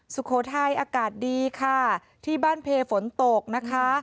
สุโขทัยอากาศดีค่ะที่บ้านเพฝนตกนะคะ